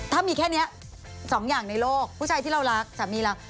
ถ้ามีแค่นี้สองอย่างในโลกผู้ชายที่เรารักสามีเรา